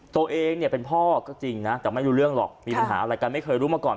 ตัวเองเนี่ยเป็นพ่อก็จริงนะแต่ไม่รู้เรื่องหรอกมีปัญหาอะไรกันไม่เคยรู้มาก่อน